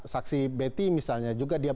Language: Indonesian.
saksi betty misalnya juga